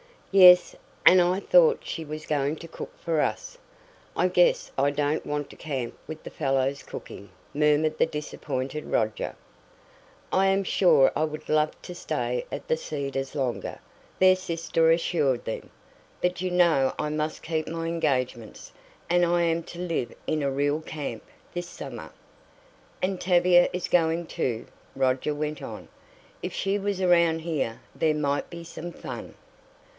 "Yes, and I thought she was going to cook for us. I guess I don't want to camp with the fellows cooking," murmured the disappointed Roger. "I am sure I would love to stay at the Cedars longer," their sister assured them. "But you know I must keep my engagements, and I am to live in a real camp this summer." "And Tavia is going, too," Roger went on. "If she was around here there might be some fun."